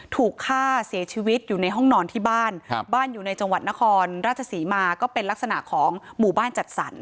ถูกฆ่าเสียชีวิตอยู่ในห้องนอนที่บ้านบ้านอยู่ในจังหวัดนครราชศรีมาก็เป็นลักษณะของหมู่บ้านจัดสรร